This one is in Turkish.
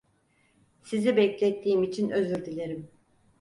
Sizi beklettiğim için özür dilerim.